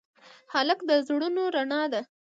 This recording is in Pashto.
هلک د زړونو رڼا ده.